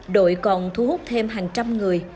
đội còn thu hút thêm hàng trăm người